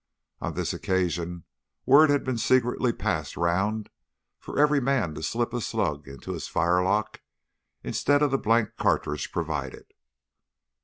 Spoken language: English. On this occasion word had been secretly passed round for every man to slip a slug into his firelock, instead of the blank cartridge provided.